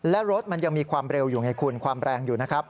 และรถมันยังมีความเร็วอยู่ไงคุณความแรงอยู่นะครับ